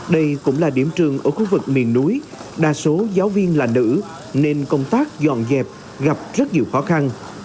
đây cũng là điểm trường ở khu vực miền núi đa số giáo viên là nữ nên công tác dọn dẹp gặp rất nhiều khó khăn